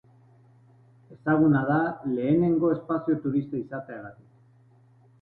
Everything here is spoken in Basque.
Ezaguna da lehenengo espazio-turista izateagatik.